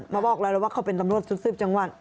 มาบอกเราก็บอกเขาเป็นตำรวจซื้อบจังหวัด